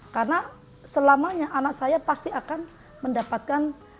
karena selamanya anak saya pasti akan mendapatkan